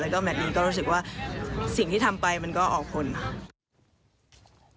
แล้วก็แมทเองก็รู้สึกว่าสิ่งที่ทำไปมันก็ออกผลค่ะ